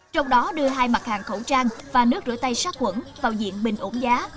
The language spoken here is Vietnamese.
trong đó đưa hai mặt hàng khẩu trang và nước rửa tay sát quẩn vào diện bình ổn giá